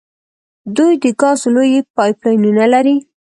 دوی د ګازو لویې پایپ لاینونه لري.